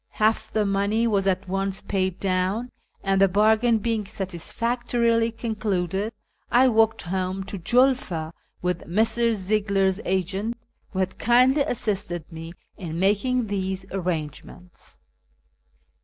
Half the money was at once paid down, and, the bargain being satisfactorily concluded, I walked home to Julfa with Messrs. Ziegler's agent, who had kindly assisted me in making these arrangements.